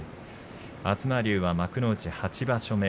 東龍は幕内８場所目。